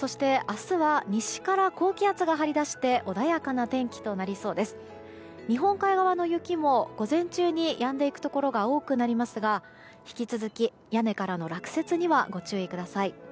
日本海側の雪も午前中にやんでいくところが多くなりますが引き続き屋根からの落雪にはご注意ください。